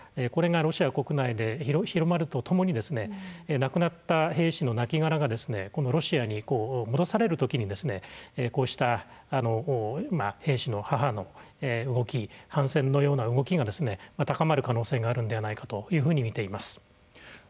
これがロシア国内で広まるとともに亡くなった兵士のなきがらがロシアに戻されるときにこうした兵士の母の動き反戦のような動きが高まる可能性があるんではないかというふうにみています。